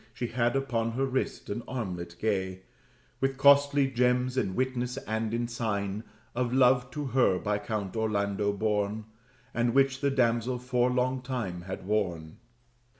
She had upon her wrist an armlet, gay With costly gems, in witness and in sign Of love to her by Count Orlando borne, And which the damsel for long time had worn.